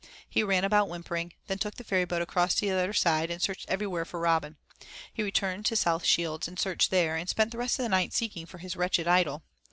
He ran about whimpering, then took the ferryboat across to the other side, and searched everywhere for Robin. He returned to South Shields and searched there, and spent the rest of the night seeking for his wretched idol.